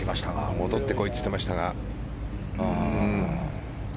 戻って来いと言っていましたが。